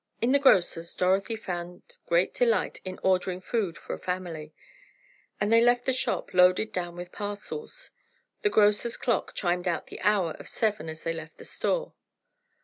In the grocer's Dorothy found great delight in ordering food for a family, and they left the shop, loaded down with parcels. The grocer's clock chimed out the hour of seven as they left the store.